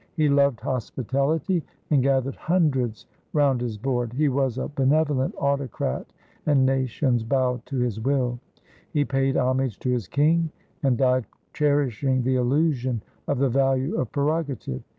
He loved hospitality and gathered hundreds round his board. He was a benevolent autocrat and nations bowed to his will. He paid homage to his King, and died cherishing the illusion of the value of prerogative.